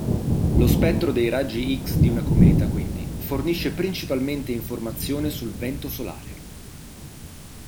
Lo spettro dei raggi-X di una cometa quindi, fornisce principalmente informazione sul vento solare.